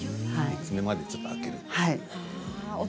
３つ目までちょっと開けるという。